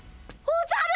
おじゃる！